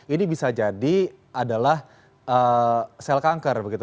ini bisa jadi adalah sel kanker begitu